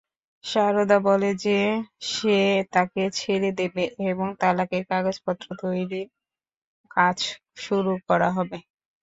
শারদা বলে যে সে তাকে ছেড়ে দেবে এবং তালাকের কাগজপত্র তৈরির কাজ শুরু করা হবে।